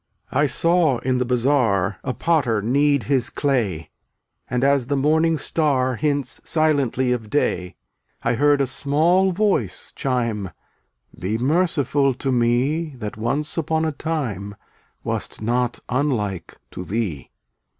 eun§ I saw in the bazaar A potter knead his clay, C/ And as the Morning Star Hints silently of Day, I heard a small voice chime: "Be merciful to me That once upon a time Wast not unlike to thee."